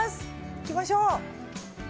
行きましょう。